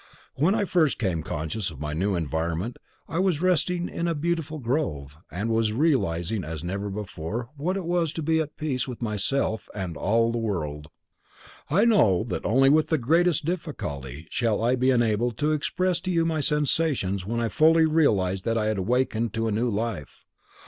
"When I first became conscious of my new environment I was resting in a beautiful grove, and was realizing as never before what it was to be at peace with myself and all the world." "I know that only with the greatest difficulty shall I be enabled to express to you my sensations when I fully realized that I had awakened to a new life.